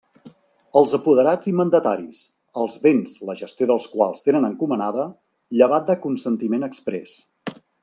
Els apoderats i mandataris, els béns la gestió dels quals tenen encomanada, llevat de consentiment exprés.